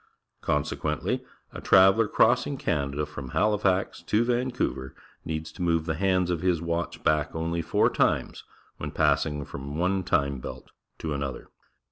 Consequently, a traveller crossing T'anada from Halifax to Vancouver needs to move the hands of his watch back only four times when passing from one time belt to another.